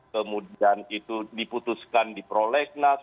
kemudian itu diputuskan di prolegnas